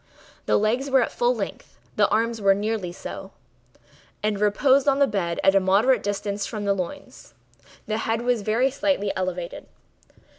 The legs were at full length; the arms were nearly so, and reposed on the bed at a moderate distance from the loin. The head was very slightly elevated.